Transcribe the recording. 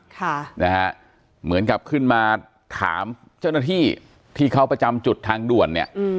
ค่ะนะฮะเหมือนกับขึ้นมาถามเจ้าหน้าที่ที่เขาประจำจุดทางด่วนเนี่ยอืม